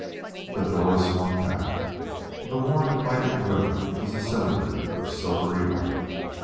The doors swung back. In the warm and lighted room was a cylinder of silvery white.